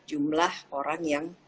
jumlah orang yang